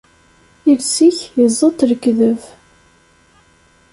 Iles-ik iẓeṭṭ lekdeb.